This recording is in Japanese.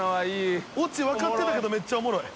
田渕）オチ分かってたけどめっちゃ面白い。